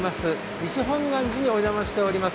西本願寺にお邪魔しています。